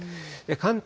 関東